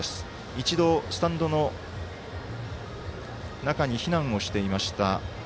一度スタンドの中に避難をしていました